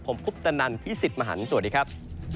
ผมพุทธนันทร์พี่สิทธิ์มหันธ์สวัสดีครับ